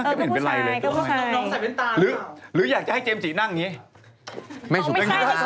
นี่เพราะไม่สุด